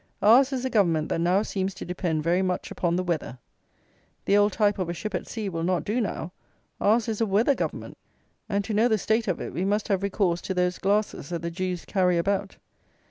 Ours is a Government that now seems to depend very much upon the weather. The old type of a ship at sea will not do now, ours is a weather Government; and to know the state of it, we must have recourse to those glasses that the Jews carry about.